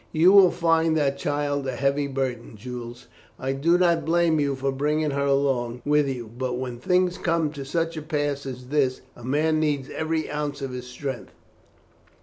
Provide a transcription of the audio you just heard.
You will find that child a heavy burden, Jules. I do not blame you for bringing her along with you, but when things come to such a pass as this a man needs every ounce of his strength."